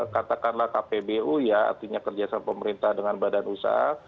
katakanlah kpbu ya artinya kerjasama pemerintah dengan badan usaha